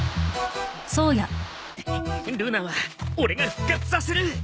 ルナは俺が復活させる。